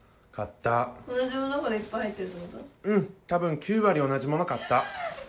たぶん９割同じもの買った。